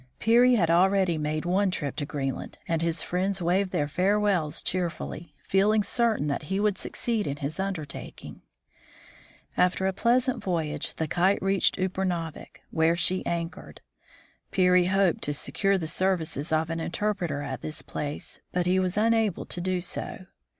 Peary had already made one trip to Green land, and his friends waved their farewells cheerfully, feel ing certain that he would succeed in his undertaking. After a pleasant voyage, the Kite reached Upernavik, where she anchored. Peary hoped to secure the services of an interpreter at this place, but he was unable to do so.